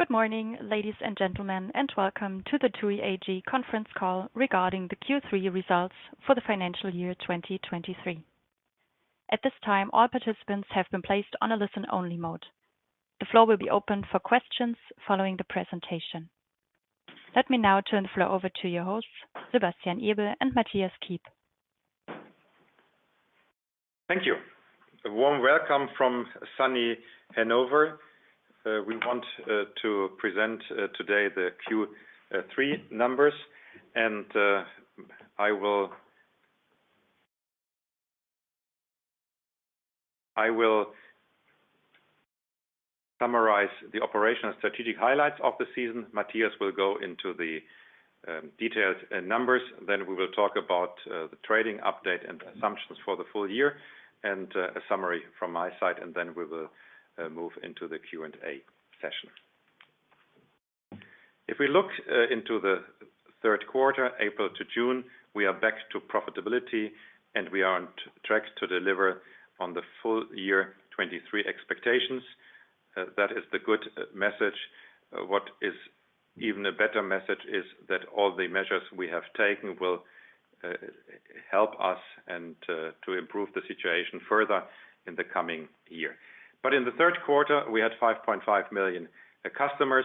Good morning, ladies and gentlemen, and welcome to the TUI AG conference call regarding the Q3 results for the financial year 2023. At this time, all participants have been placed on a listen-only mode. The floor will be open for questions following the presentation. Let me now turn the floor over to your hosts, Sebastian Ebel and Mathias Kiep. Thank you. A warm welcome from sunny Hanover. We want to present today the Q3 numbers, and I will summarize the operational and strategic highlights of the season. Matthias will go into the detailed numbers. Then we will talk about the trading update and assumptions for the full year, and a summary from my side, and then we will move into the Q&A session. If we look into the third quarter, April to June, we are back to profitability and we are on track to deliver on the full year 2023 expectations. That is the good message. What is even a better message is that all the measures we have taken will help us and to improve the situation further in the coming year. In the third quarter, we had 5.5 million customers,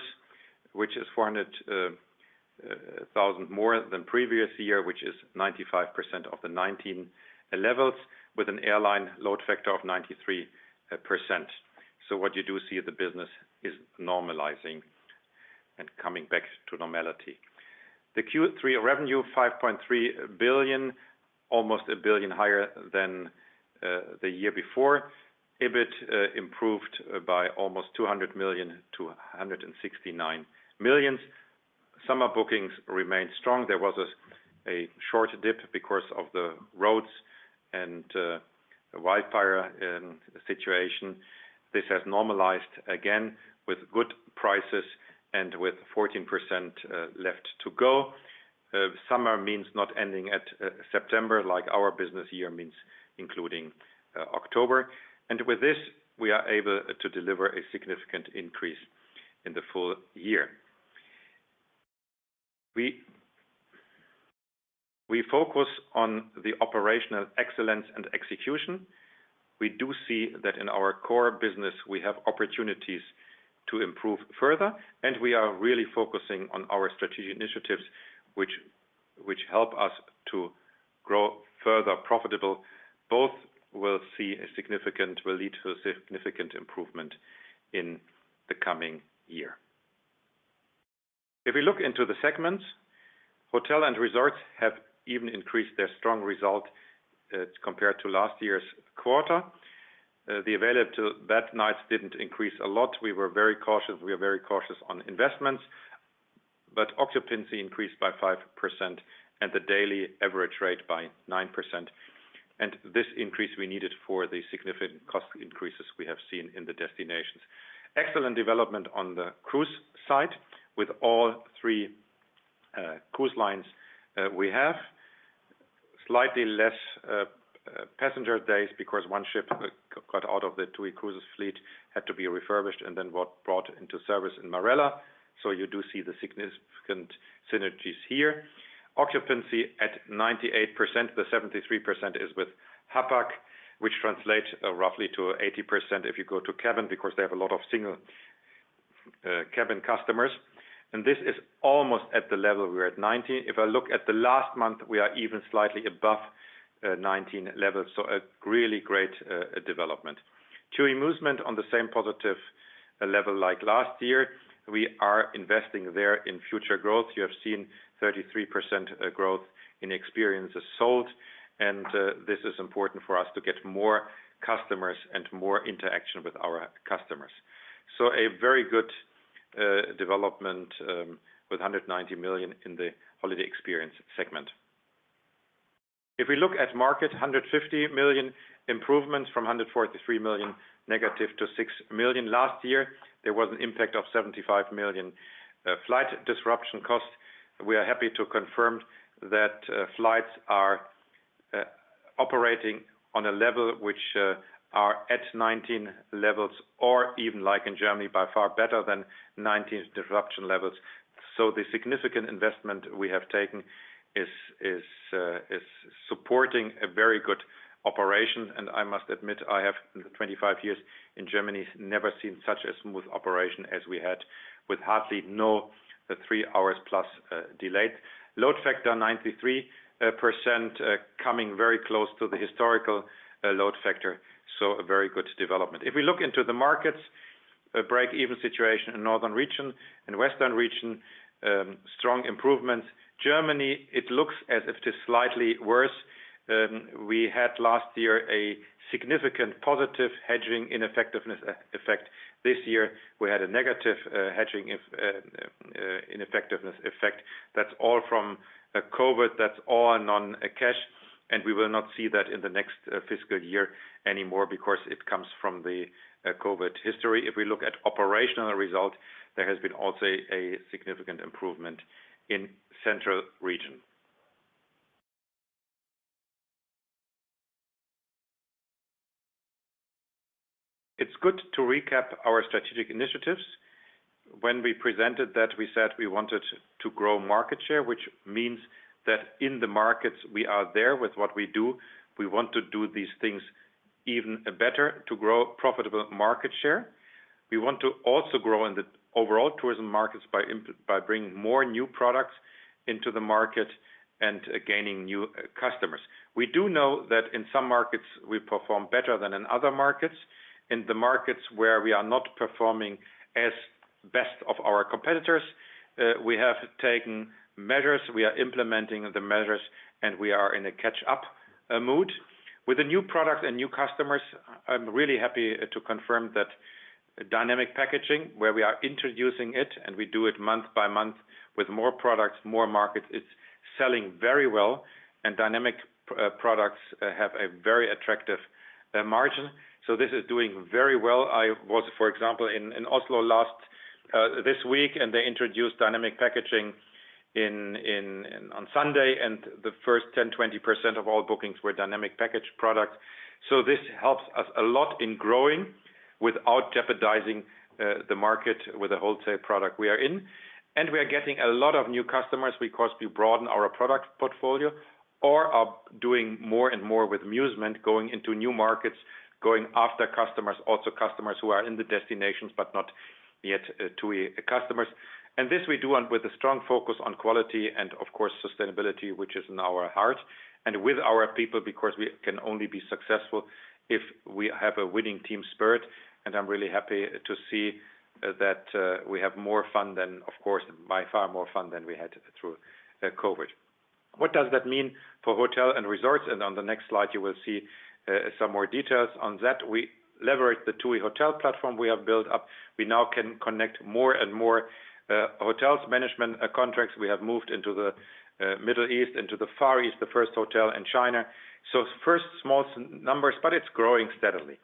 which is 400,000 more than previous year, which is 95% of the 2019 levels, with an airline load factor of 93%. What you do see is the business is normalizing and coming back to normality. The Q3 revenue, 5.3 billion, almost 1 billion higher than the year before. EBIT improved by almost 200 million to 169 million. Summer bookings remained strong. There was a short dip because of the Rhodes wildfire situation. This has normalized again with good prices and with 14% left to go. Summer means not ending at September, like our business year means including October. With this, we are able to deliver a significant increase in the full year. We, we focus on the operational excellence and execution. We do see that in our core business, we have opportunities to improve further, and we are really focusing on our strategic initiatives, which, which help us to grow further profitable. Both will lead to a significant improvement in the coming year. If we look into the segments, hotel and resorts have even increased their strong result compared to last year's quarter. The available bed nights didn't increase a lot. We were very cautious. We are very cautious on investments, but occupancy increased by 5% and the daily average rate by 9%. This increase we needed for the significant cost increases we have seen in the destinations. Excellent development on the cruise side with all three cruise lines we have. Slightly less passenger days because one ship got out of the TUI Cruises fleet, had to be refurbished and then what brought into service in Marella. You do see the significant synergies here. Occupancy at 98%, the 73% is with Hapag, which translates roughly to 80% if you go to cabin, because they have a lot of single cabin customers. This is almost at the level we're at 2019. If I look at the last month, we are even slightly above 2019 levels, so a really great development. TUI Musement on the same positive level like last year. We are investing there in future growth. You have seen 33% growth in experiences sold, this is important for us to get more customers and more interaction with our customers. A very good development with 190 million in the holiday experience segment. If we look at market, 150 million improvements from 143 million, negative to 6 million. Last year, there was an impact of 75 million flight disruption costs. We are happy to confirm that flights are operating on a level which are at 19 levels, or even like in Germany, by far better than 19 disruption levels. The significant investment we have taken is, is supporting a very good operation. I must admit, I have, in 25 years in Germany, never seen such a smooth operation as we had, with hardly no, the three hours plus delayed. Load factor, 93%, coming very close to the historical load factor. A very good development. If we look into the markets, a break-even situation in Northern region, in Western region, strong improvements. Germany, it looks as if it is slightly worse. We had last year a significant positive hedging ineffectiveness effect. This year, we had a negative hedging ineffectiveness effect. That's all from COVID, that's all on a cash, and we will not see that in the next fiscal year anymore because it comes from the COVID history. If we look at operational results, there has been also a significant improvement in Central region. It's good to recap our strategic initiatives. When we presented that, we said we wanted to grow market share, which means that in the markets we are there with what we do, we want to do these things even better to grow profitable market share. We want to also grow in the overall tourism markets by bringing more new products into the market and gaining new customers. We do know that in some markets, we perform better than in other markets. In the markets where we are not performing as best of our competitors, we have taken measures, we are implementing the measures, and we are in a catch-up mood. With the new product and new customers, I'm really happy to confirm that dynamic packaging, where we are introducing it, and we do it month by month with more products, more markets, it's selling very well, and dynamic products have a very attractive margin. This is doing very well. I was, for example, in, in Oslo last this week, and they introduced dynamic packaging in, in, on Sunday, and the first 10%, 20% of all bookings were dynamic package products. We are getting a lot of new customers, because we broaden our product portfolio or are doing more and more with Musement, going into new markets, going after customers, also customers who are in the destinations, but not yet TUI customers. This we do want with a strong focus on quality and, of course, sustainability, which is in our heart and with our people, because we can only be successful if we have a winning team spirit. I'm really happy to see that we have more fun than, of course, by far more fun than we had through COVID. What does that mean for hotel and resorts? On the next slide, you will see some more details on that. We leverage the TUI hotel platform we have built up. We now can connect more and more hotels, management contracts. We have moved into the Middle East, into the Far East, the first hotel in China. First, small numbers, but it's growing steadily.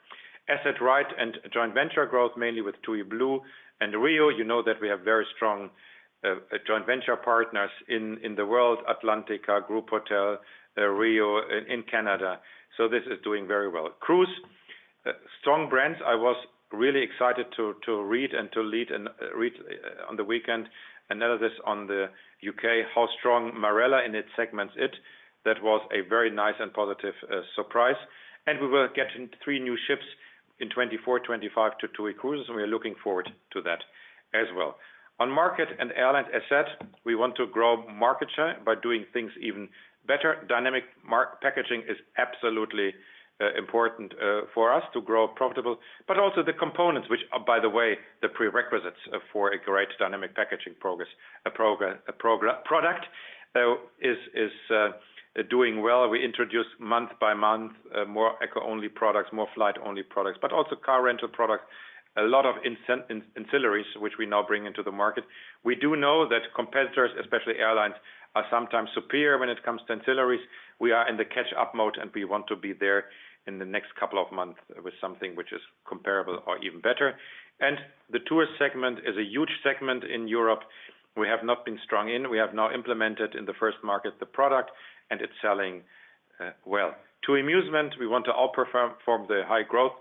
Asset-right and joint venture growth, mainly with TUI Blue and RIU. You know that we have very strong joint venture partners in, in the world, Atlantica, Grupotel, RIU in Canada. This is doing very well. Cruise, strong brands. I was really excited to read and to lead and read on the weekend, analysis on the U.K., how strong Marella in its segment it. That was a very nice and positive surprise. We were getting new new ships in 2024, 2025 to TUI Cruises, and we are looking forward to that as well. On market and airline asset, we want to grow market share by doing things even better. Dynamic packaging is absolutely important for us to grow profitable, but also the components, which are, by the way, the prerequisites for a great dynamic packaging progress, a program, product, is doing well. We introduce month by month more eco-only products, more flight-only products, but also car rental products, a lot of ancillaries, which we now bring into the market. We do know that competitors, especially airlines, are sometimes superior when it comes to ancillaries. We are in the catch-up mode, and we want to be there in the next couple of months with something which is comparable or even better. And the tour segment is a huge segment in Europe. We have not been strong in. We have now implemented in the first market, the product, and it's selling well. TUI Musement, we want to outperform the high growth,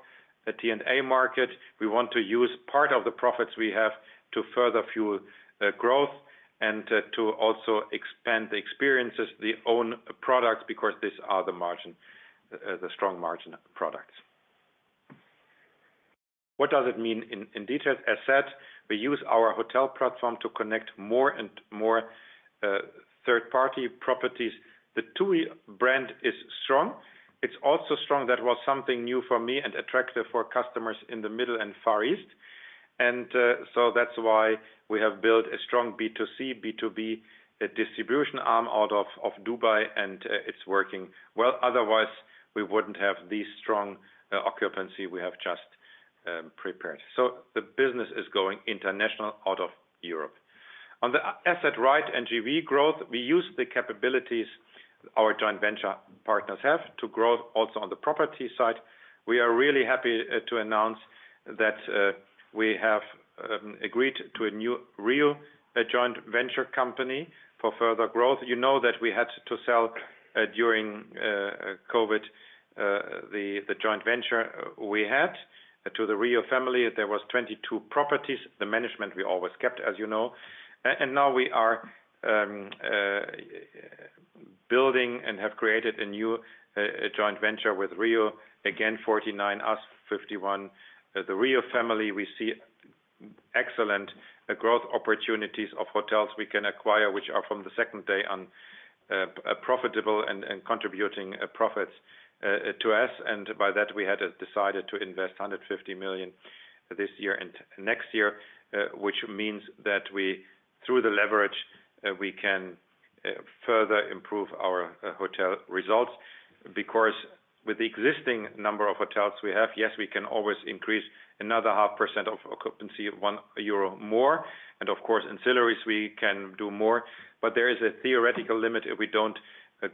the T&A market. We want to use part of the profits we have to further fuel growth and to also expand the experiences, the own products, because these are the margin, the strong margin products. What does it mean in, in detail? As said, we use our hotel platform to connect more and more third-party properties. The TUI brand is strong. It's also strong. new for me and attractive for customers in the Middle and Far East. So that's why we have built a strong B2C, B2B, a distribution arm out of Dubai, and it's working well. Otherwise, we wouldn't have the strong occupancy we have just prepared. So the business is going international out of Europe. On the asset-right and JV growth, we use the capabilities our joint venture partners have to grow also on the property side. We are really happy to announce that we have agreed to a new RIU, a joint venture company for further growth. You know that we had to sell during COVID the joint venture we had to the Riu family. There was 22 properties, the management we always kept, as you know Now we are building and have created a new joint venture with Riu. 49%, us 51%. The Riu family, we see excellent growth opportunities of hotels we can acquire, which are from the second day on profitable and contributing profits to us. By that, we had decided to invest 150 million this year and next year, which means that we, through the leverage, we can further improve our hotel results, because with the existing number of hotels we have, yes, we can always increase another 0.5% of occupancy, 1 euro more. Of course, ancillaries, we can do more. There is a theoretical limit if we don't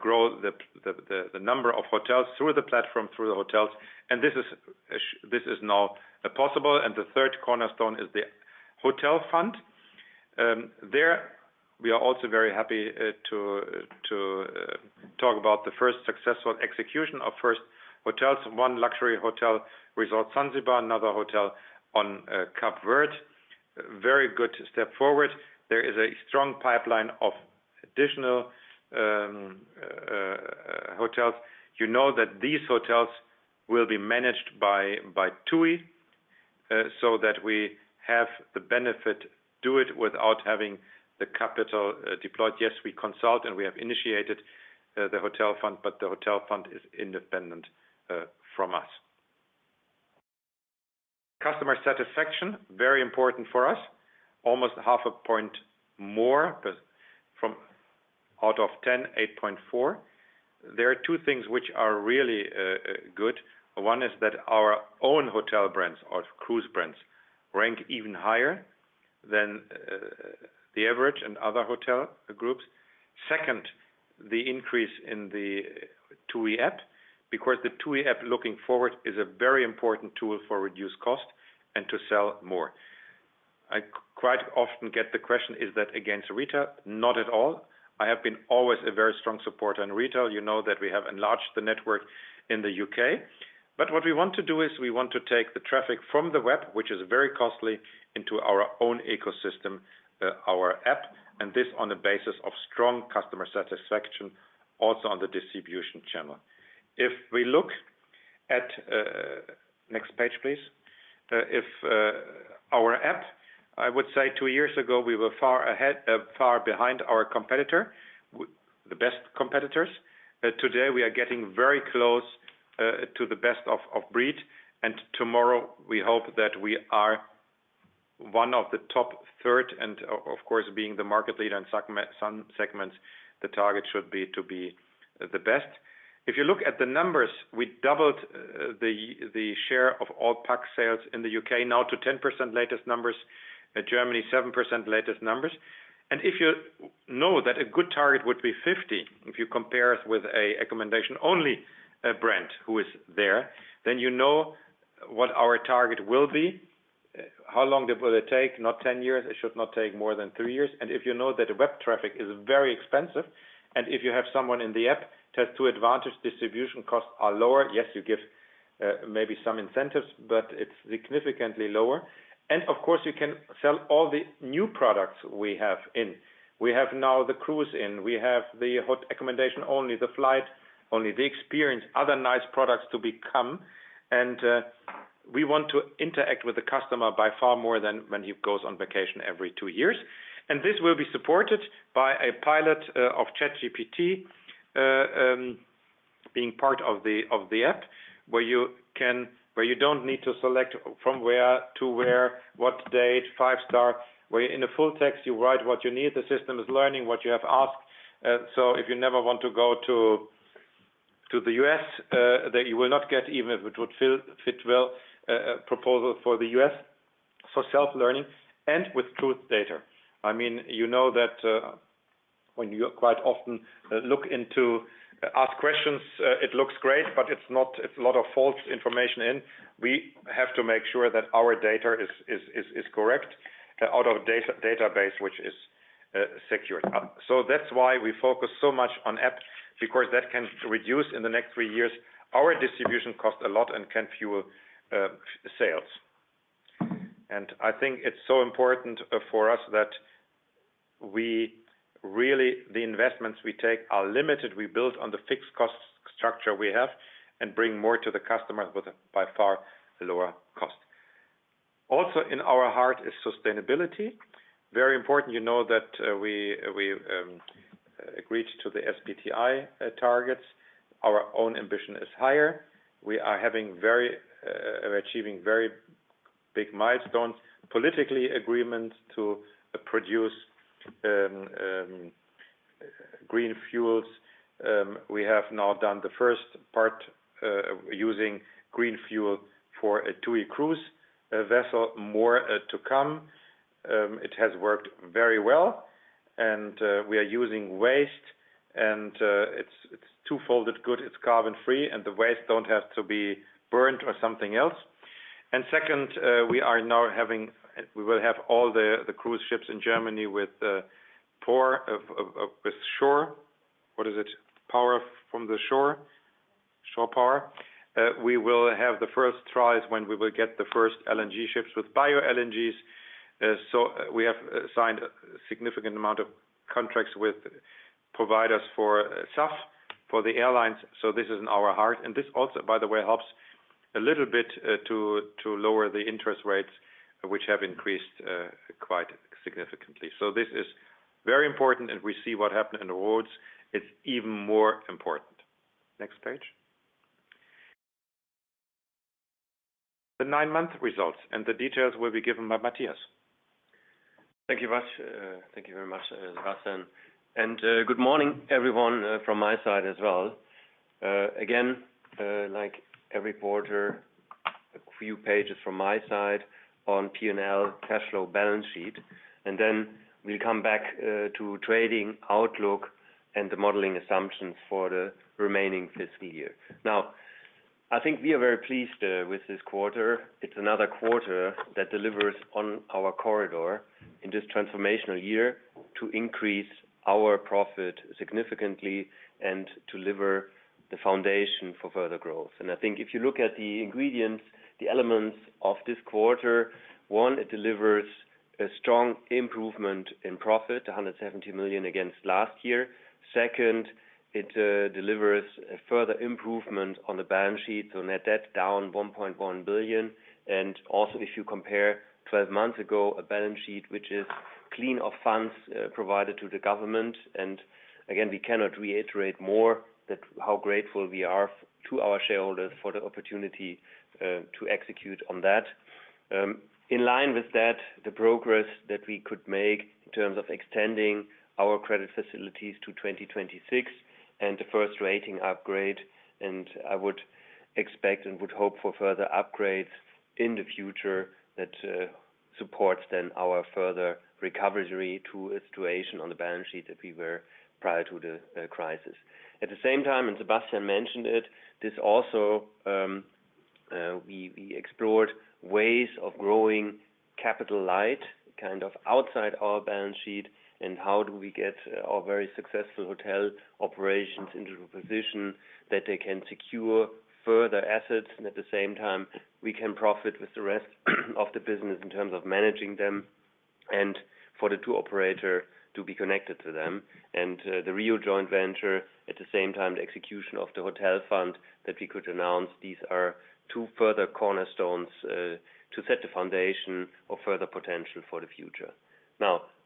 grow the number of hotels through the platform, through the hotels. This is now possible. The third cornerstone is the Hotel Fund. There we are also very happy to talk about the first successful execution of first hotels, one luxury hotel resort, Zanzibar, another hotel on Cape Verde. Very good step forward. There is a strong pipeline of additional hotels. You know that these hotels will be managed by TUI, so that we have the benefit, do it without having the capital deployed. Yes, we consult, and we have initiated the Hotel Fund, but the Hotel Fund is independent from us. Customer satisfaction, very important for us. Almost half a point more, but from out of 10, 8.4. There are two things which are really good. One is that our own hotel brands or cruise brands rank even higher than the average and other hotel groups. Second, the increase in the TUI app, because the TUI app looking forward, is a very important tool for reduced cost and to sell more. I quite often get the question, is that against retail? Not at all. I have been always a very strong supporter in retail. You know that we have enlarged the network in the UK. But what we want to do is we want to take the traffic from the web, which is very costly, into our own ecosystem, our app, and this on the basis of strong customer satisfaction, also on the distribution channel. If we look at... Next page, please. If, our app, I would say two years ago, we were far ahead, far behind our competitor, the best competitors. Today, we are getting very close to the best of breed, tomorrow we hope that we are one of the top third. Of course, being the market leader in some segments, the target should be to be the best. If you look at the numbers, we doubled the share of all pack sales in the U.K. now to 10% latest numbers, in Germany, 7% latest numbers. If you know that a good target would be 50%, if you compare us with a accommodation-only brand who is there, then you know what our target will be. How long will it take? Not 10 years. It should not take more than three years. If you know that the web traffic is very expensive, and if you have someone in the app, it has two advantage, distribution costs are lower. Yes, you give, maybe some incentives, but it's significantly lower. Of course, you can sell all the new products we have in. We have now the cruise in, we have the hot accommodation, only the flight, only the experience, other nice products to become. We want to interact with the customer by far more than when he goes on vacation every two years. This will be supported by a pilot of ChatGPT being part of the app, where you can, where you don't need to select from where to where, what date, five star, where in the full text you write what you need, the system is learning what you have asked. If you never want to go to the U.S., then you will not get, even if it would fit well, a proposal for the U.S. for self-learning and with true data. I mean, you know that, when you quite often look into ask questions, it looks great, but it's not. It's a lot of false information in. We have to make sure that our data is correct out of database, which is secured. That's why we focus so much on app, because that can reduce in the next three years, our distribution cost a lot and can fuel sales. And I think it's so important for us that we really, the investments we take are limited. We build on the fixed cost structure we have and bring more to the customer with a by far lower cost. In our heart is sustainability. Very important, you know that, we, we agreed to the SBTi targets. Our own ambition is higher. We are having very achieving very big milestones, politically agreement to produce green fuels. We have now done the first part, using green fuel for a TUI cruise, a vessel, more to come. It has worked very well, we are using waste, it's, it's twofolded good. It's carbon free, the waste don't have to be burnt or something else. Second, we are now we will have all the, the cruise ships in Germany with shore. What is it? Power from the shore, shore power. We will have the first trials when we will get the first LNG ships with bio-LNGs. We have signed a significant amount of contracts with providers for SAF, for the airlines. This is in our heart, and this also, by the way, helps a little bit to lower the interest rates, which have increased quite significantly. This is very important, and we see what happened in Rhodes. It's even more important. Next page. The nine-month results and the details will be given by Matthias. Thank you, Vas. Thank you very much, Vas, good morning, everyone, from my side as well. Again, like every quarter, a few pages from my side on P&L, cash flow, balance sheet, and then we'll come back to trading outlook and the modeling assumptions for the remaining fiscal year. I think we are very pleased with this quarter. It's another quarter that delivers on our corridor in this transformational year to increase our profit significantly and deliver the foundation for further growth. I think if you look at the ingredients, the elements of this quarter, one, it delivers a strong improvement in profit, 170 million against last year. Second, it delivers a further improvement on the balance sheet, so net debt down 1.1 billion. Also, if you compare 12 months ago, a balance sheet which is clean of funds provided to the government. Again, we cannot reiterate more that how grateful we are to our shareholders for the opportunity to execute on that. In line with that, the progress that we could make in terms of extending our credit facilities to 2026 and the 1st rating upgrade, and I would expect and would hope for further upgrades in the future that supports then our further recovery to a situation on the balance sheet that we were prior to the crisis. At the same time, and Sebastian mentioned it, this also, we, we explored ways of growing capital light, kind of outside our balance sheet, and how do we get our very successful hotel operations into a position that they can secure further assets, and at the same time, we can profit with the rest of the business in terms of managing them and for the two operator to be connected to them. The RIU joint venture, at the same time, the execution of the Hotel Fund that we could announce, these are two further cornerstones, to set the foundation of further potential for the future.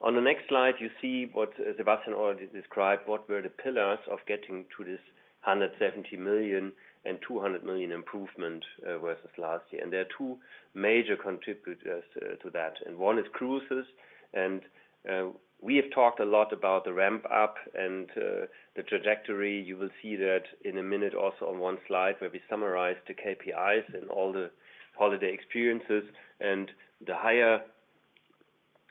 On the next slide, you see what Sebastian already described, what were the pillars of getting to this 170 million and 200 million improvement, versus last year. There are two major contributors to that, and one is cruises. We have talked a lot about the ramp-up and the trajectory. You will see that in a minute, also on one slide, where we summarize the KPIs and all the holiday experiences and the higher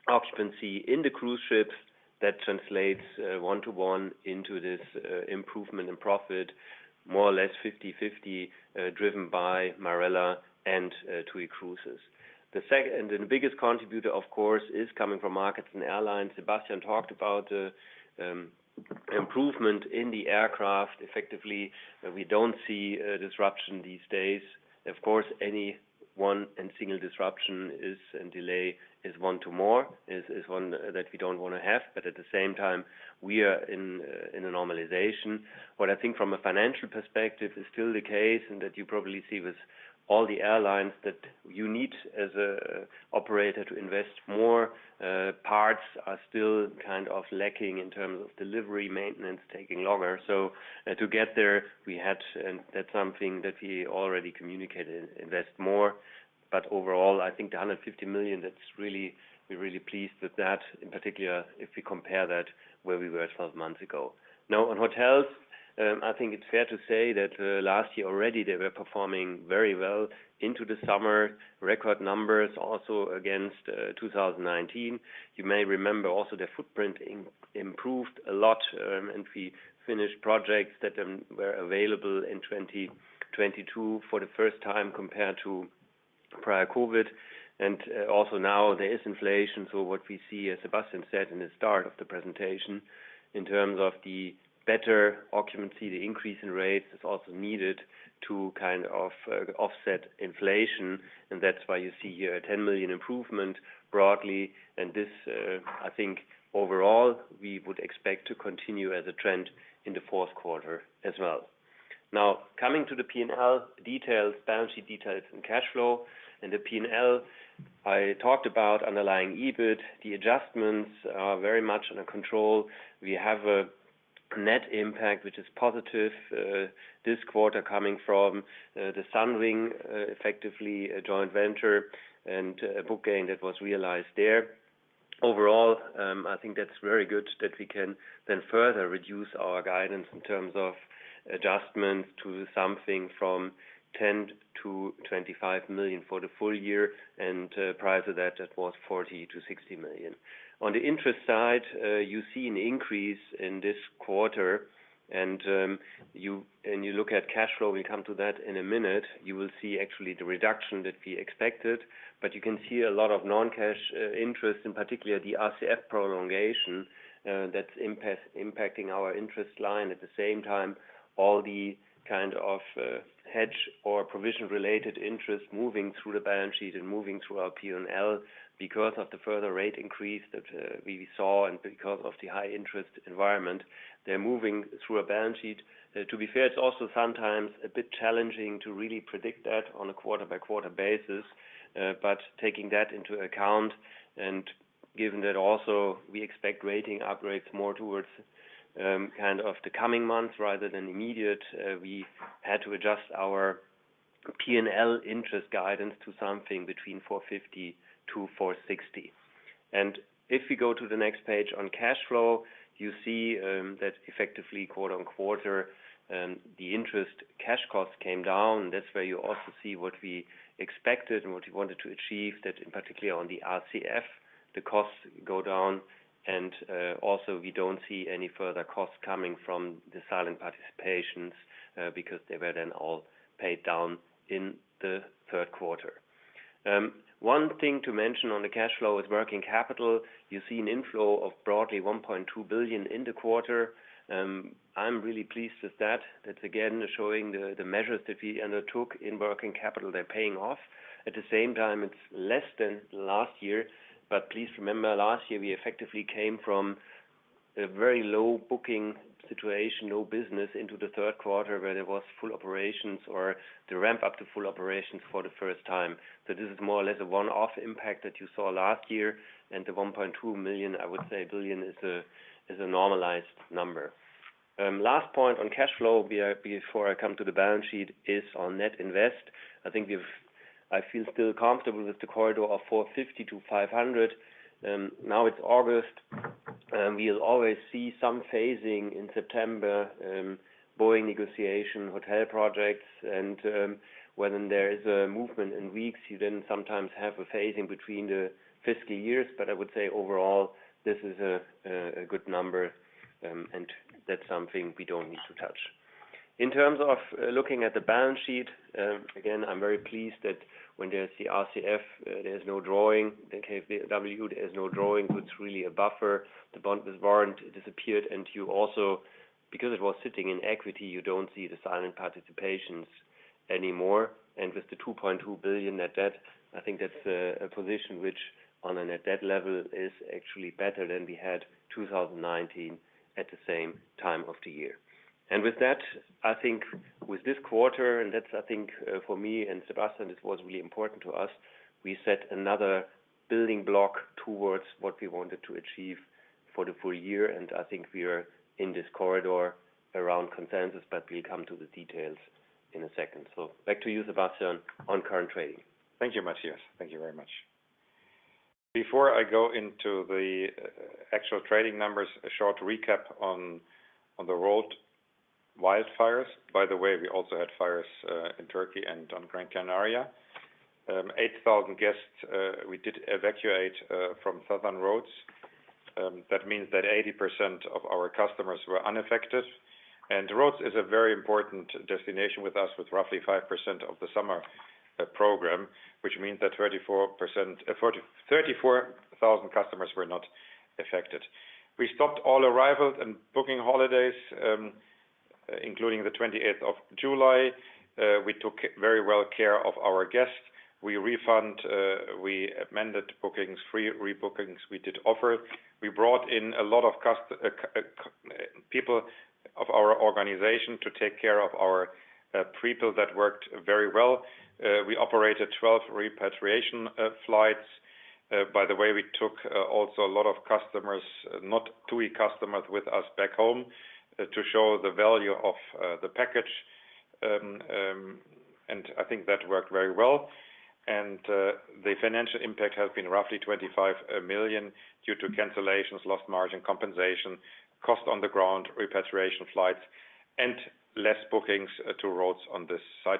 occupancy in the cruise ships. That translates 1-1 into this improvement in profit, more or less 50/50 driven by Marella and TUI Cruises. The second and the biggest contributor, of course, is coming from markets and airlines. Sebastian talked about the improvement in the aircraft. Effectively, we don't see a disruption these days. Of course, any one and single disruption is, and delay is one to more, is one that we don't want to have. At the same time, we are in a normalization. What I think from a financial perspective is still the case, and that you probably see with all the airlines, that you need as a operator to invest more. Parts are still kind of lacking in terms of delivery, maintenance, taking longer. To get there, we had, and that's something that we already communicated, invest more. Overall, I think the 150 million, that's really, we're really pleased with that, in particular, if we compare that where we were 12 months ago. Now, on hotels, I think it's fair to say that last year already, they were performing very well into the summer. Record numbers also against 2019. You may remember also their footprint improved a lot, and we finished projects that were available in 2022 for the first time compared to prior COVID. Also now there is inflation. What we see, as Sebastian said in the start of the presentation, in terms of the better occupancy, the increase in rates, is also needed to kind of offset inflation, and that's why you see here a 10 million improvement broadly. This, I think overall, we would expect to continue as a trend in the fourth quarter as well. Now, coming to the P&L details, balance sheet details, and cash flow. In the P&L, I talked about underlying EBIT. The adjustments are very much under control. We have a net impact, which is positive this quarter coming from the Sunwing effectively a joint venture and a book gain that was realized there. Overall, I think that's very good that we can then further reduce our guidance in terms of adjustments to something from 10 million-25 million for the full year, and prior to that, it was 40 million-60 million. On the interest side, you see an increase in this quarter, and you look at cash flow, we come to that in a minute, you will see actually the reduction that we expected. You can see a lot of non-cash interest, in particular, the RCF prolongation, that's impacting our interest line. At the same time, all the kind of hedge or provision-related interest moving through the balance sheet and moving through our P&L because of the further rate increase that we saw and because of the high interest environment, they're moving through our balance sheet. To be fair, it's also sometimes a bit challenging to really predict that on a quarter-by-quarter basis. Taking that into account, and given that also we expect rating upgrades more towards kind of the coming months rather than immediate, we had to adjust our P&L interest guidance to something between 450-460. If we go to the next page on cash flow, you see that effectively quarter on quarter, the interest cash costs came down. That's where you also see what we expected and what we wanted to achieve, that in particular on the RCF, the costs go down, and also we don't see any further costs coming from the silent participations because they were then all paid down in the third quarter. One thing to mention on the cash flow is working capital. You see an inflow of broadly 1.2 billion in the quarter, I'm really pleased with that. That's again, showing the measures that we undertook in working capital, they're paying off. At the same time, it's less than last year, please remember last year, we effectively came from a very low booking situation, no business into the third quarter, where there was full operations or the ramp up to full operations for the first time. This is more or less a one-off impact that you saw last year, and the 1.2 million, I would say billion is a, is a normalized number. Last point on cash flow before I come to the balance sheet, is on net invest. I think we've I feel still comfortable with the corridor of 450-500. Now it's August. We'll always see some phasing in September. Boeing negotiation, hotel projects, and when there is a movement in weeks, you then sometimes have a phasing between the fiscal years, but I would say overall, this is a good number, and that's something we don't need to touch. In terms of looking at the balance sheet, again, I'm very pleased that when there's the RCF, there's no drawing. The KfW, there's no drawing, so it's really a buffer. The bond with warrants, it disappeared. You also, because it was sitting in equity, you don't see the silent participations anymore. With the 2.2 billion net debt, I think that's a, a position which on a net debt level is actually better than we had 2019 at the same time of the year. With that, I think with this quarter, and that's, I think, for me and Sebastian, it was really important to us, we set another building block towards what we wanted to achieve for the full year, and I think we are in this corridor around Bloomberg consensus, but we'll come to the details in a second. Back to you, Sebastian, on current trading. Thank you, Matthias. Thank you very much. Before I go into the actual trading numbers, a short recap on, on the Rhodes wildfires. By the way, we also had fires in Turkey and on Gran Canaria. 8,000 guests we did evacuate from Southern Rhodes. That means that 80% of our customers were unaffected, and Rhodes is a very important destination with us, with roughly 5% of the summer program, which means that 34% 34,000 customers were not affected. We stopped all arrivals and Booking.com holidays, including the 28th of July. We took very well care of our guests. We refund, we amended bookings, free rebookings we did offer. We brought in a lot of people of our organization to take care of our people. That worked very well. We operated 12 repatriation flights. By the way, we took also a lot of customers, not TUI customers with us back home, to show the value of the package. I think that worked very well. The financial impact has been roughly 25 million due to cancellations, lost margin, compensation, cost on the ground, repatriation flights, and less bookings to Rhodes on this side.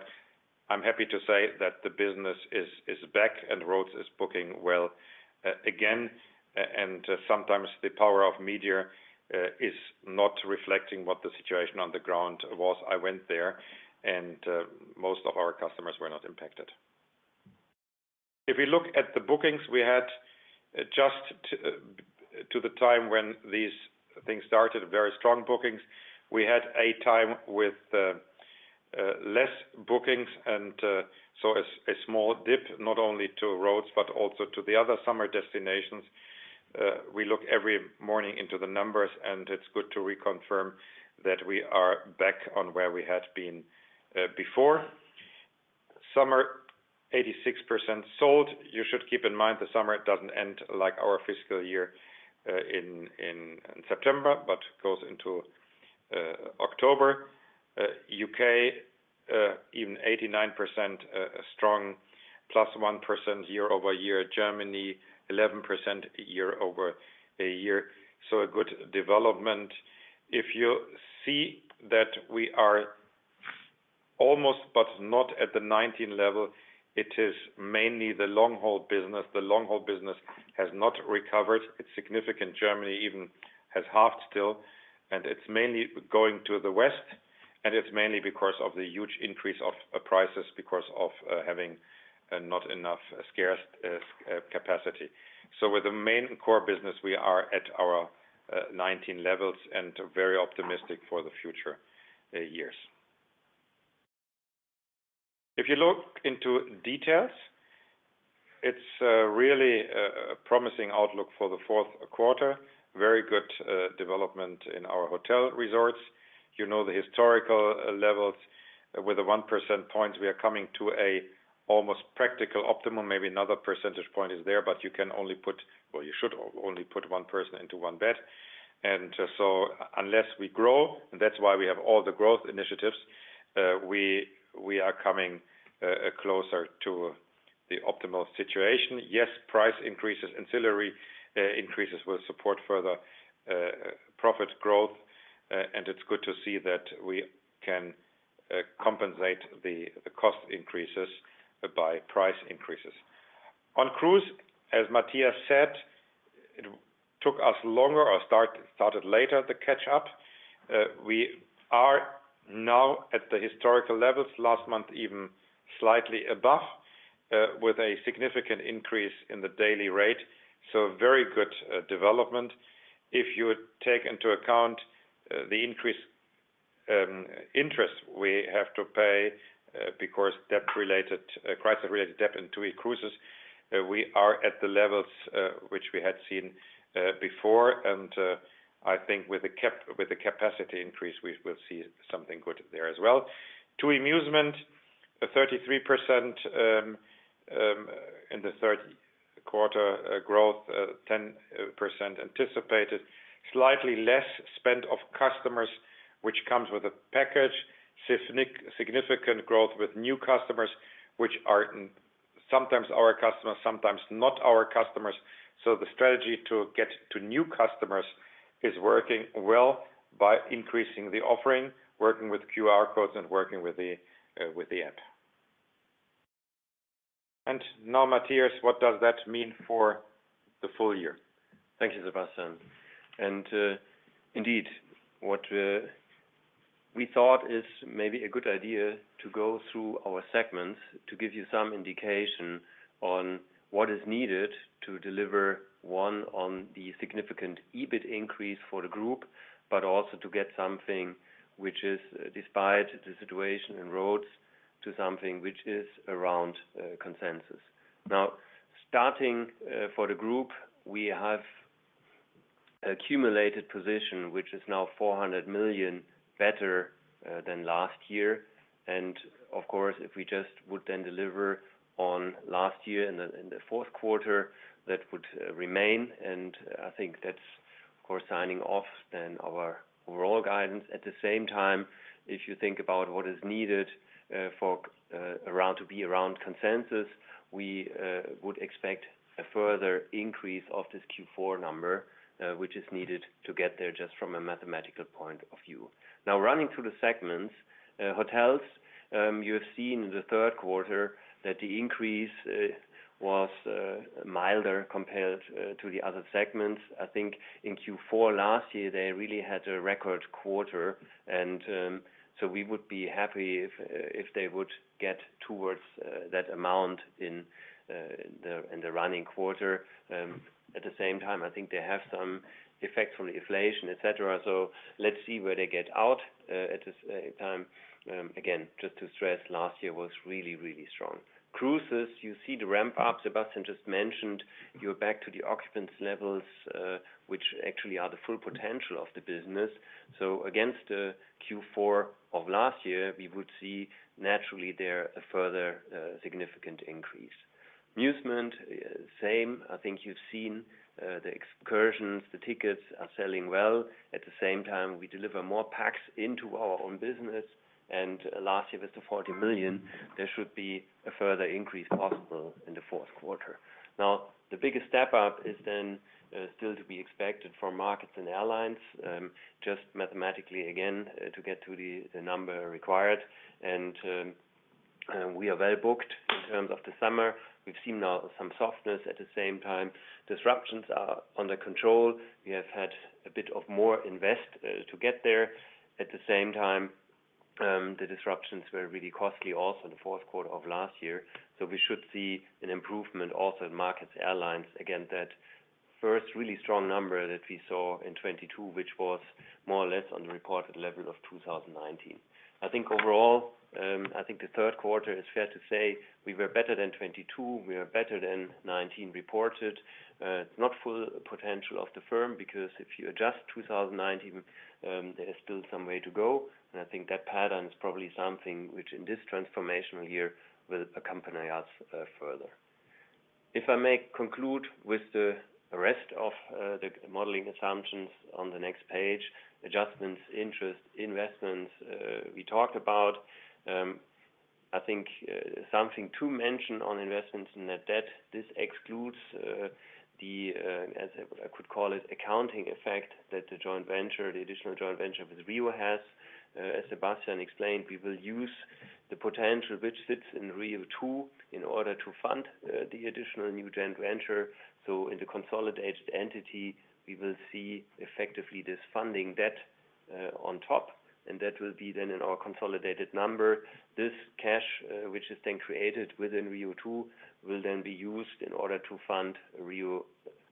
I'm happy to say that the business is back and Rhodes is Booking.com well again, and sometimes the power of media is not reflecting what the situation on the ground was. I went there, and most of our customers were not impacted. If we look at the bookings, we had just to the time when these things started, very strong bookings. We had a time with less bookings and so a small dip, not only to Rhodes, but also to the other summer destinations. We look every morning into the numbers, and it's good to reconfirm that we are back on where we had been before. Summer, 86% sold. You should keep in mind the summer doesn't end like our fiscal year in September, but goes into October. U.K., even 89% strong, +1% year-over-year. Germany, 11% year-over-year. A good development. If you see that we are almost, but not at the 19 level, it is mainly the long-haul business. The long-haul business has not recovered. It's significant. Germany even has halved still, and it's mainly going to the West, and it's mainly because of the huge increase of prices, because of having not enough scarce capacity. With the main core business, we are at our 19 levels and very optimistic for the future years. If you look into details, it's really a promising outlook for the fourth quarter. Very good development in our hotel resorts. You know, the historical levels with a 1 percentage point, we are coming to a almost practical optimum. Maybe another percentage point is there, but you can only put or you should only put 1 person into 1 bed. Unless we grow, and that's why we have all the growth initiatives, we are coming closer to the optimal situation. Yes, price increases, ancillary increases will support further profit growth. It's good to see that we can compensate the cost increases by price increases. On cruise, as Matthias said, it took us longer or started later, the catch up. We are now at the historical levels, last month, even slightly above, with a significant increase in the daily rate. Very good development. If you take into account the increased interest we have to pay, because debt related, crisis-related debt into cruises, we are at the levels which we had seen before. I think with the capacity increase, we will see something good there as well. To Musement, a 33% in the third quarter growth, 10% anticipated. Slightly less spend of customers, which comes with a package. Significant growth with new customers, which are sometimes our customers, sometimes not our customers. The strategy to get to new customers is working well by increasing the offering, working with QR codes, and working with the with the app. Now, Matthias, what does that mean for the full year? Thank you, Sebastian. Indeed, what we thought is maybe a good idea to go through our segments, to give you some indication on what is needed to deliver one on the significant EBIT increase for the group, but also to get something which is, despite the situation in Rhodes, to something which is around consensus. Starting for the group, we have accumulated position, which is now 400 million better than last year. Of course, if we just would then deliver on last year in the fourth quarter, that would remain, and I think that's of course, signing off then our overall guidance. At the same time, if you think about what is needed for around, to be around consensus, we would expect a further increase of this Q4 number, which is needed to get there just from a mathematical point of view. Running through the segments, hotels, you have seen in the third quarter that the increase was milder compared to the other segments. I think in Q4 last year, they really had a record quarter, and we would be happy if, if they would get towards that amount in the running quarter. At the same time, I think they have some effect from inflation, et cetera. Let's see where they get out at this time. Again, just to stress, last year was really, really strong. Cruises, you see the ramp up, Sebastian just mentioned, you're back to the occupancy levels, which actually are the full potential of the business. Against the Q4 of last year, we would see naturally there a further significant increase. Musement, same, I think you've seen, the excursions, the tickets are selling well. At the same time, we deliver more packs into our own business, and last year was 40 million. There should be a further increase possible in the fourth quarter. The biggest step up is then still to be expected for markets and airlines. Just mathematically, again, to get to the number required. We are well-booked in terms of the summer. We've seen now some softness at the same time. Disruptions are under control. We have had a bit of more invest to get there. At the same time, the disruptions were really costly also in the Fourth Quarter of last year. We should see an improvement also in markets, airlines. Again, that first really strong number that we saw in 22, which was more or less on the recorded level of 2019. I think overall, I think the Third Quarter, it's fair to say we were better than 22, we are better than 19 reported. Not full potential of the firm, because if you adjust 2019, there is still some way to go, and I think that pattern is probably something which in this transformational year will accompany us further. If I may conclude with the rest of the modeling assumptions on the next page, adjustments, interest, investments. We talked about, I think, something to mention on investments in net debt. This excludes the, as I could call it, accounting effect, that the joint venture, the additional joint venture with RIU has. As Sebastian explained, we will use the potential which sits in RIUSA II in order to fund the additional new joint venture. In the consolidated entity, we will see effectively this funding debt on top, and that will be then in our consolidated number. This cash, which is then created within RIUSA II, will then be used in order to fund RIU,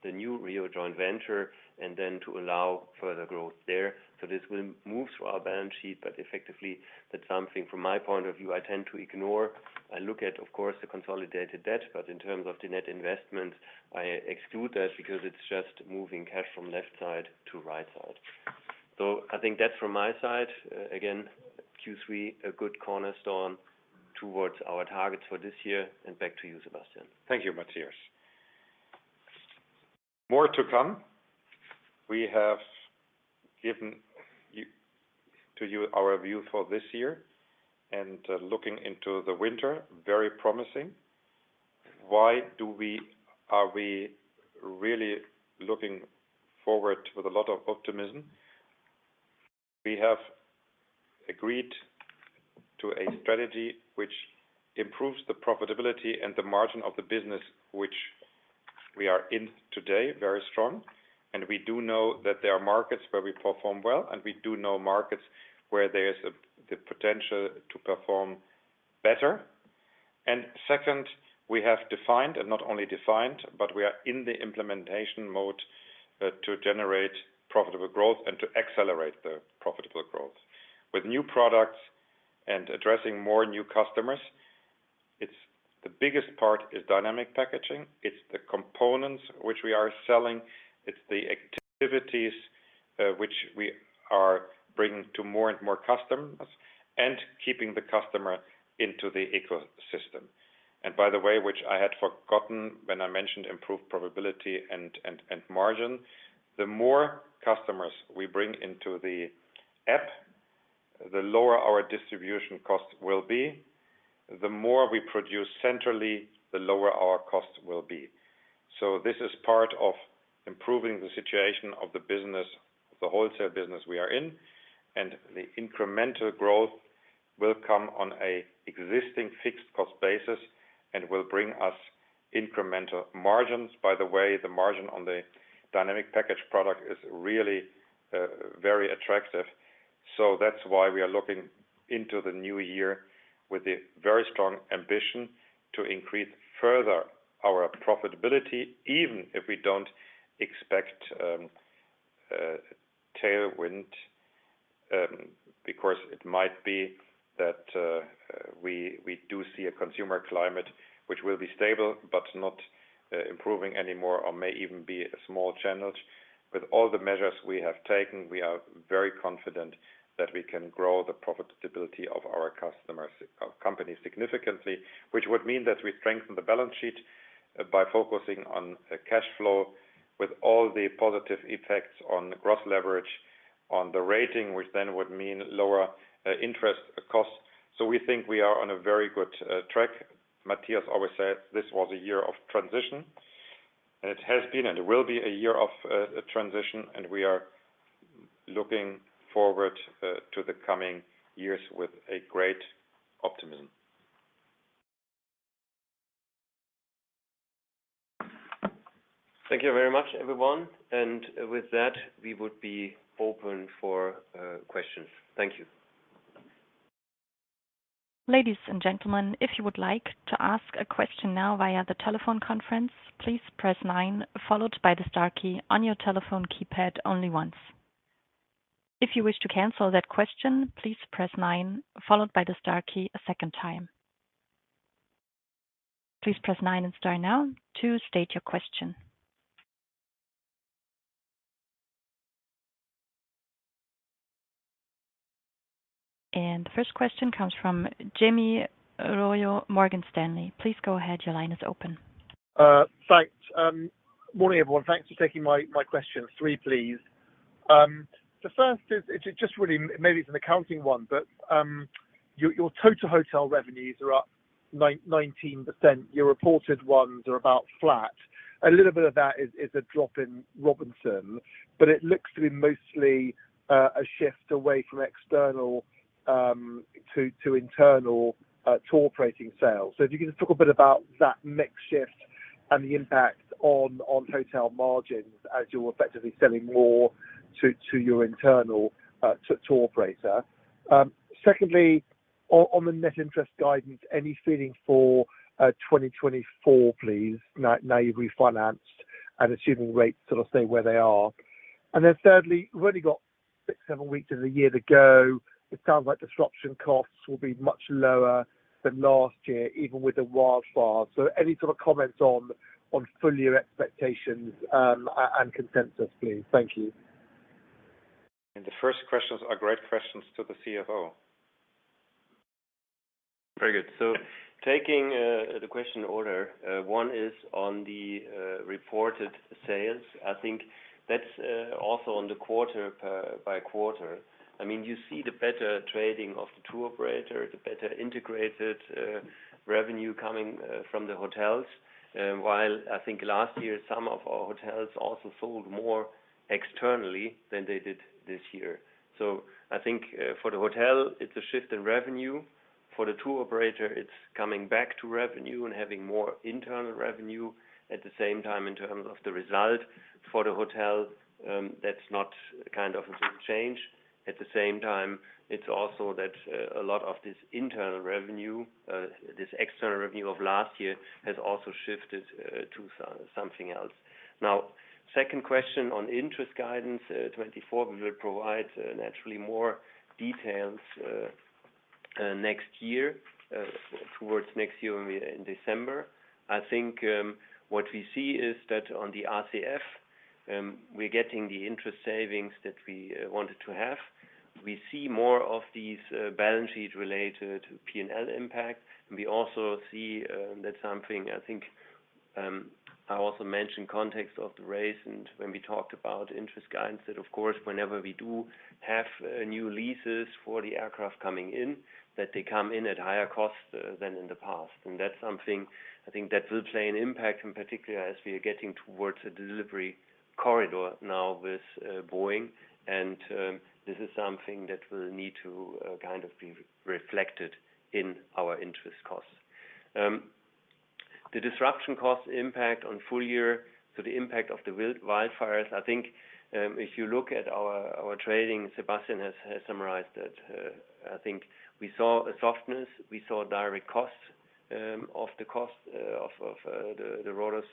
the new RIU joint venture, and then to allow further growth there. This will move through our balance sheet, but effectively, that's something from my point of view, I tend to ignore. I look at, of course, the consolidated debt, but in terms of the net investment, I exclude that because it's just moving cash from left side to right side. I think that's from my side. Again, Q3, a good cornerstone towards our targets for this year. Back to you, Sebastian. Thank you, Matthias. More to come. We have given you our view for this year, and looking into the winter, very promising. Why are we really looking forward with a lot of optimism? We have agreed to a strategy which improves the profitability and the margin of the business, which we are in today, very strong. We do know that there are markets where we perform well, and we do know markets where there's the potential to perform better. Second, we have defined, and not only defined, but we are in the implementation mode to generate profitable growth and to accelerate the profitable growth. With new products and addressing more new customers, the biggest part is dynamic packaging. It's the components which we are selling. It's the activities, which we are bringing to more and more customers and keeping the customer into the ecosystem. By the way, which I had forgotten when I mentioned improved probability and margin, the more customers we bring into the app, the lower our distribution cost will be, the more we produce centrally, the lower our cost will be. This is part of improving the situation of the business, the wholesale business we are in, and the incremental growth will come on a existing fixed cost basis and will bring us incremental margins. By the way, the margin on the dynamic package product is really very attractive. That's why we are looking into the new year with a very strong ambition to increase further our profitability, even if we don't expect tailwind. Because it might be that we, we do see a consumer climate, which will be stable but not improving anymore or may even be a small challenge. With all the measures we have taken, we are very confident that we can grow the profitability of our customers, company significantly, which would mean that we strengthen the balance sheet by focusing on cash flow with all the positive effects on gross leverage on the rating, which then would mean lower interest costs. We think we are on a very good track. Matthias always said this was a year of transition, it has been and it will be a year of transition, and we are looking forward to the coming years with a great optimism. Thank you very much, everyone. With that, we would be open for questions. Thank you. Ladies and gentlemen, if you would like to ask a question now via the telephone conference, please press nine, followed by the star key on your telephone keypad only once. If you wish to cancel that question, please press nine, followed by the star key a second time. Please press nine and star now to state your question. The first question comes from Jamie Rollo, Morgan Stanley. Please go ahead. Your line is open. Thanks. Morning, everyone. Thanks for taking my question. three, please. The first is, it's just really maybe it's an accounting one, but your total hotel revenues are up 19%. Your reported ones are about flat. A little bit of that is, is a drop in Robinson, but it looks to be mostly a shift away from external to internal tour operating sales. If you can just talk a bit about that mix shift and the impact on hotel margins as you're effectively selling more to your internal tour operator. Secondly, on the net interest guidance, any feeling for 2024, please, now you've refinanced and assuming rates sort of stay where they are. Thirdly, we've only got 6, 7 weeks of the year to go. It sounds like disruption costs will be much lower than last year, even with the wildfires. Any sort of comments on, on full year expectations, and consensus, please? Thank you. The first questions are great questions to the CFO. Very good. Taking the question order, one is on the reported sales. I think that's also on the quarter by quarter. I mean, you see the better trading of the tour operator, the better integrated revenue coming from the hotels. While I think last year, some of our hotels also sold more externally than they did this year. I think for the hotel, it's a shift in revenue. For the tour operator, it's coming back to revenue and having more internal revenue at the same time in terms of the result. For the hotel, that's not kind of a big change. At the same time, it's also that a lot of this internal revenue, this external revenue of last year has also shifted to something else. Second question on interest guidance, 2024, we will provide naturally more details next year towards next year, in December. I think what we see is that on the RCF, we're getting the interest savings that we wanted to have. We see more of these balance sheets related to P&L impact, and we also see I also mentioned context of the race, and when we talked about interest guidance, that, of course, whenever we do have new leases for the aircraft coming in, that they come in at higher costs than in the past. That's something I think that will play an impact, in particular, as we are getting towards a delivery corridor now with Boeing. This is something that will need to be reflected in our interest costs. The disruption cost impact on full year, so the impact of the wildfires, I think, if you look at our trading, Sebastian has summarized that, I think we saw a softness, we saw direct costs of the cost of the Rhodes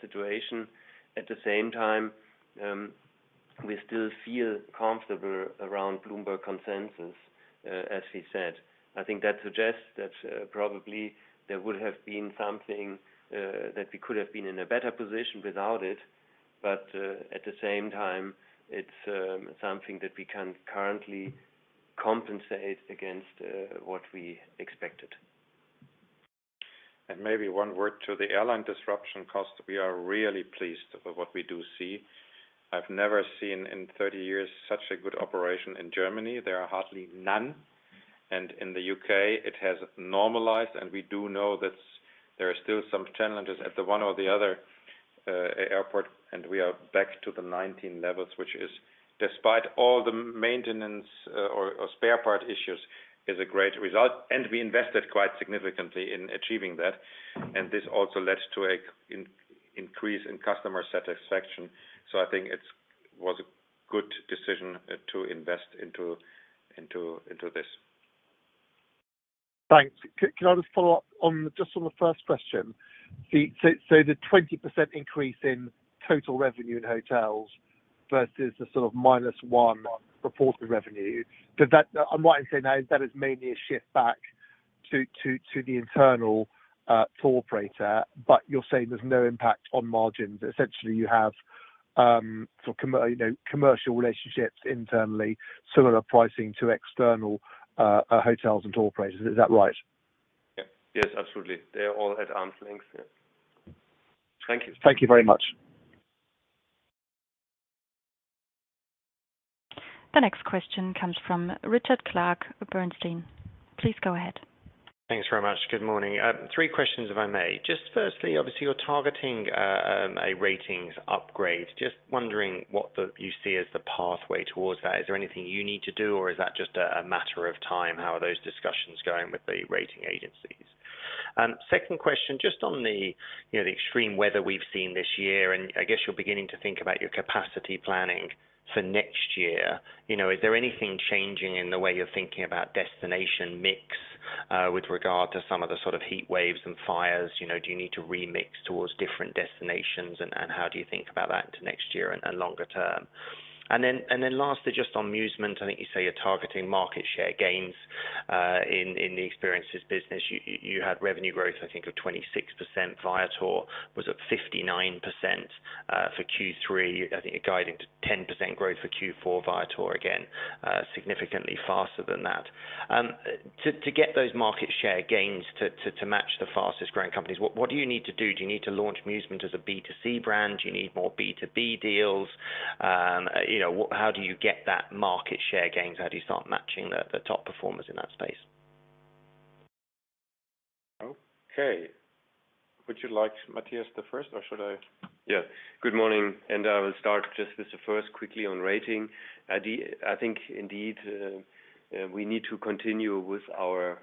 situation. At the same time, we still feel comfortable around Bloomberg consensus, as he said. I think that suggests that probably there would have been something that we could have been in a better position without it. At the same time, it's something that we can currently compensate against what we expected. Maybe 1 word to the airline disruption cost. We are really pleased with what we do see. I've never seen in 30 years such a good operation in Germany. There are hardly none, and in the UK, it has normalized, and we do know that there are still some challenges at the one or the other airport, and we are back to the 19 levels, which is, despite all the maintenance or spare part issues, is a great result. We invested quite significantly in achieving that, and this also led to an increase in customer satisfaction. I think it's was a good decision to invest into this. Thanks. Can I just follow up on, just on the first question? The 20% increase in total revenue in hotels versus the sort of -1% reported revenue, does that... I'm right in saying that, that is mainly a shift back to the internal tour operator, but you're saying there's no impact on margins. Essentially, you have, you know, commercial relationships internally, similar pricing to external hotels and tour operators. Is that right? Yeah. Yes, absolutely. They all had arm's length. Yeah. Thank you. Thank you very much. The next question comes from Richard Clarke of Bernstein. Please go ahead. Thanks very much. Good morning. Three questions, if I may. Just firstly, obviously, you're targeting a ratings upgrade. Just wondering what the, you see as the pathway towards that. Is there anything you need to do, or is that just a matter of time? How are those discussions going with the rating agencies? Second question, just on the, you know, the extreme weather we've seen this year, and I guess you're beginning to think about your capacity planning for next year. You know, is there anything changing in the way you're thinking about destination mix with regard to some of the sort of heat waves and fires? You know, do you need to remix towards different destinations? How do you think about that into next year and longer term? Then, lastly, just on Musement, I think you say you're targeting market share gains in the experiences business. You had revenue growth, I think of 26%, Viator was at 59% for Q3. I think you're guiding to 10% growth for Q4, Viator, again, significantly faster than that. To get those market share gains to match the fastest-growing companies, what do you need to do? Do you need to launch Musement as a B2C brand? Do you need more B2B deals? You know, how do you get that market share gains? How do you start matching the top performers in that space? Okay. Would you like Matthias the first, or should I? Yeah. Good morning, I will start just with the first quickly on rating. I think indeed, we need to continue with our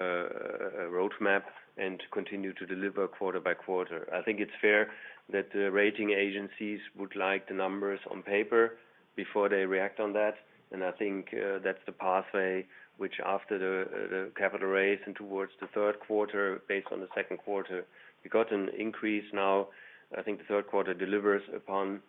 roadmap and continue to deliver quarter by quarter. I think it's fair that the rating agencies would like the numbers on paper before they react on that. I think that's the pathway which after the capital raise and towards the third quarter, based on the second quarter, we got an increase now. I think the third quarter delivers upon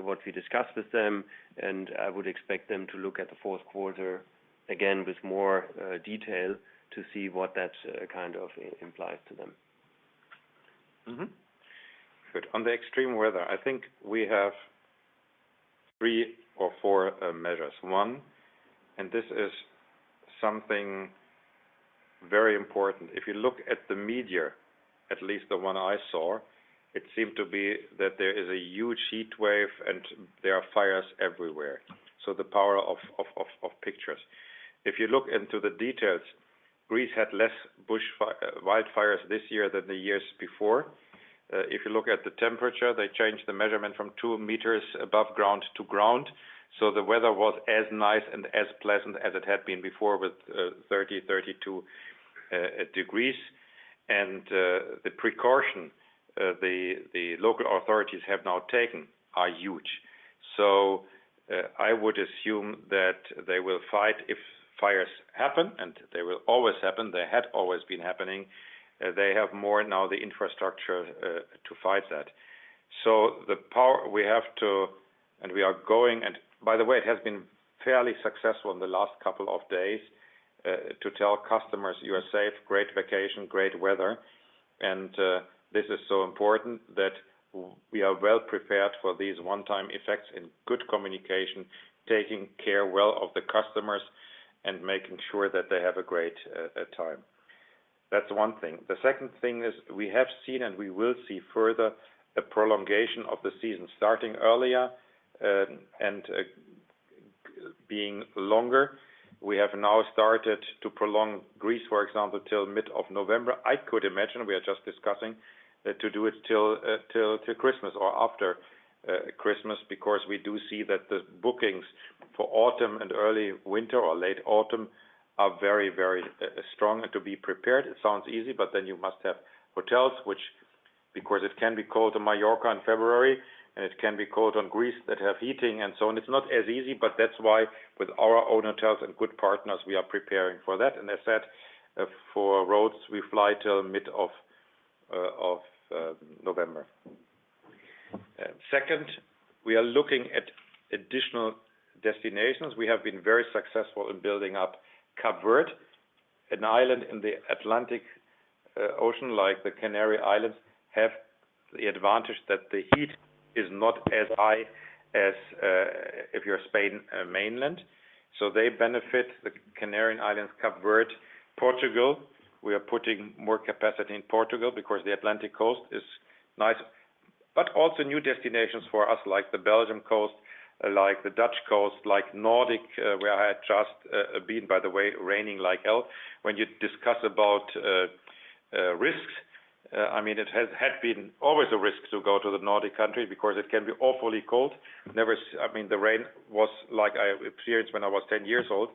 what we discussed with them, and I would expect them to look at the fourth quarter again, with more detail to see what that kind of implies to them. Mm-hmm. Good. On the extreme weather, I think we have three or four measures. one, and this is something very important. If you look at the media, at least the one I saw, it seemed to be that there is a huge heat wave and there are fires everywhere. The power of pictures. If you look into the details, Greece had less bush wildfires this year than the years before. If you look at the temperature, they changed the measurement from 2 meters above ground to ground, so the weather was as nice and as pleasant as it had been before, with 30 degrees, 32 degrees. The precaution the local authorities have now taken are huge. I would assume that they will fight if fires happen, and they will always happen. They had always been happening. They have more now the infrastructure to fight that. The power we have to, and we are going, and by the way, it has been fairly successful in the last couple of days, to tell customers, "You are safe, great vacation, great weather." This is so important that we are well prepared for these one-time effects and good communication, taking care well of the customers. Making sure that they have a great time. That's one thing. The second thing is we have seen, and we will see further, a prolongation of the season starting earlier, and being longer. We have now started to prolong Greece, for example, till mid of November. I could imagine, we are just discussing, that to do it till Christmas or after Christmas, because we do see that the bookings for autumn and early winter or late autumn are very, very strong. To be prepared, it sounds easy, but then you must have hotels which. Because it can be cold in Mallorca in February, and it can be cold on Greece that have heating and so on. It's not as easy, but that's why, with our own hotels and good partners, we are preparing for that. As said, for Rhodes, we fly till mid of November. Second, we are looking at additional destinations. We have been very successful in building up Cape Verde, an island in the Atlantic Ocean, like the Canary Islands, have the advantage that the heat is not as high as, if you're Spain mainland. They benefit the Canary Islands, Cape Verde, Portugal. We are putting more capacity in Portugal because the Atlantic Coast is nice. Also new destinations for us, like the Belgium coast, like the Dutch coast, like Nordic, where I had just been, by the way, raining like hell. When you discuss about risks, I mean, it has had been always a risk to go to the Nordic country because it can be awfully cold. I mean, the rain was like I experienced when I was 10 years old.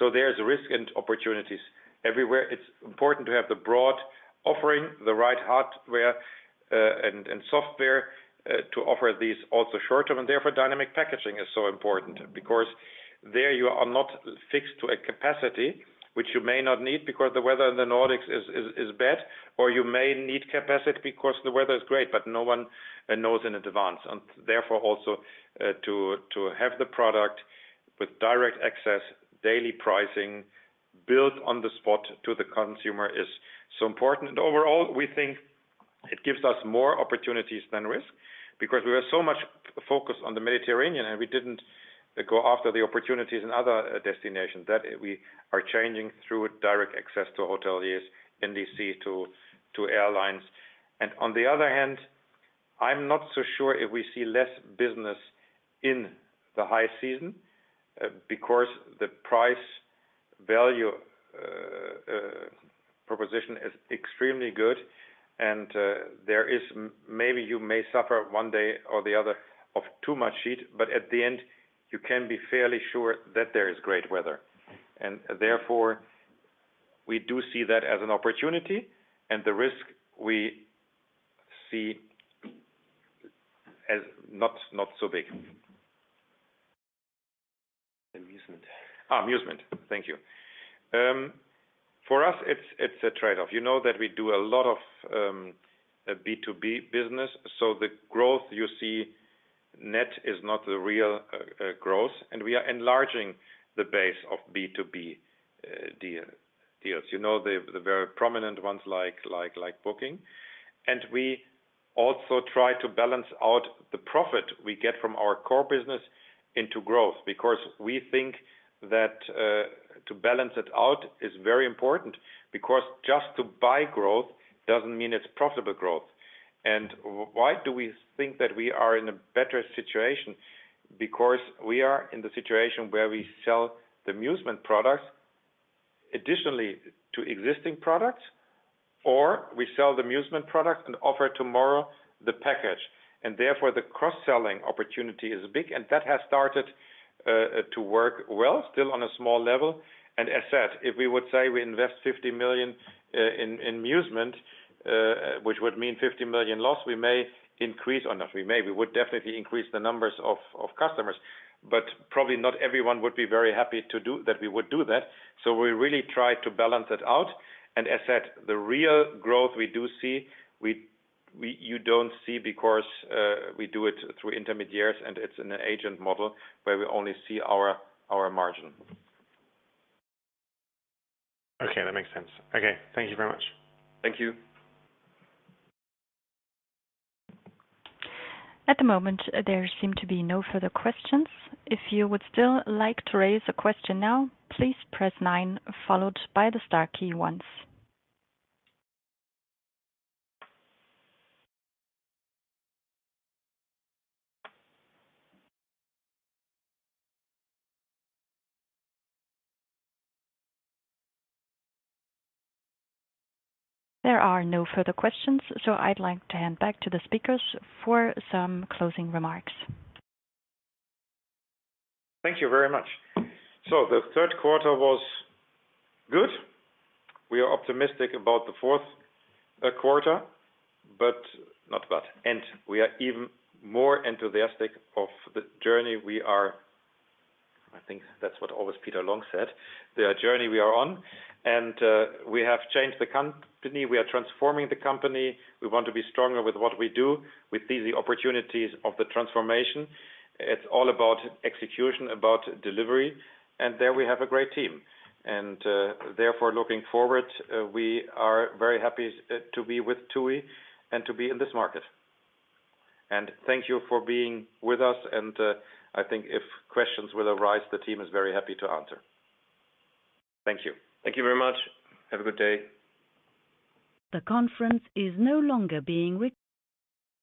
There is risk and opportunities everywhere. It's important to have the broad offering, the right hardware, and, and software, to offer these also short-term and therefore, dynamic packaging is so important because there you are not fixed to a capacity, which you may not need because the weather in the Nordics is, is, is bad, or you may need capacity because the weather is great, but no one knows in advance. Therefore, also, to, to have the product with direct access, daily pricing built on the spot to the consumer is so important. Overall, we think it gives us more opportunities than risk because we were so much focused on the Mediterranean and we didn't go after the opportunities in other destinations, that we are changing through direct access to hotel deals, NDC to, to airlines. On the other hand, I'm not so sure if we see less business in the high season, because the price value proposition is extremely good, and there is maybe you may suffer one day or the other of too much heat, but at the end, you can be fairly sure that there is great weather. Therefore, we do see that as an opportunity and the risk we see as not, not so big. Musement. Musement. Thank you. For us, it's, it's a trade-off. You know that we do a lot of B2B business, so the growth you see net is not the real growth, and we are enlarging the base of B2B deal, deals. You know, the, the very prominent ones like, like, like Booking.com. We also try to balance out the profit we get from our core business into growth, because we think that to balance it out is very important, because just to buy growth doesn't mean it's profitable growth. Why do we think that we are in a better situation? We are in the situation where we sell the Musement products additionally to existing products, or we sell the Musement products and offer tomorrow the package, and therefore, the cross-selling opportunity is big, and that has started to work well, still on a small level. As said, if we would say we invest 50 million in Musement, which would mean 50 million loss, we may increase or not, we would definitely increase the numbers of customers, but probably not everyone would be very happy to do that we would do that. We really try to balance it out. As said, the real growth we do see, we, you don't see because we do it through intermediaries, and it's an agent model where we only see our margin. Okay, that makes sense. Okay. Thank you very much. Thank you. At the moment, there seem to be no further questions. If you would still like to raise a question now, please press nine followed by the star key once. There are no further questions. I'd like to hand back to the speakers for some closing remarks. Thank you very much. The third quarter was good. We are optimistic about the fourth quarter, and we are even more enthusiastic of the journey we are... I think that's what always Peter Long said, "The journey we are on," We have changed the company. We are transforming the company. We want to be stronger with what we do. We see the opportunities of the transformation. It's all about execution, about delivery, and there we have a great team. Therefore, looking forward, we are very happy to be with TUI and to be in this market. Thank you for being with us, and I think if questions will arise, the team is very happy to answer. Thank you. Thank you very much. Have a good day. The conference is no longer being rec-